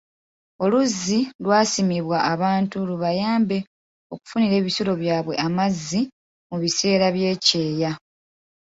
Oluzzi lwasimibwa abantu lubayambe okufunira ebisolo byabwe amazzi mu biseera by'ekyeya.